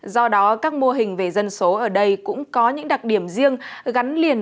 do đó các mô hình về dân số ở đây cũng có những đặc điểm riêng gắn liền